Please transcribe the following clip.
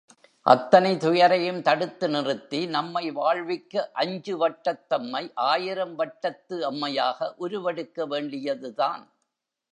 அத்தனை துயரையும் தடுத்து நிறுத்தி நம்மை வாழ்விக்க அஞ்சு வட்டத்தம்மை, ஆயிரம் வட்டத்து அம்மையாக உருவெடுக்க வேண்டியதுதான்.